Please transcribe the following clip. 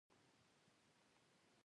انار د خوړو خوند زیاتوي.